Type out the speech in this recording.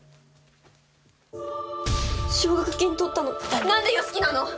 奨学金取ったの何で良樹なの！？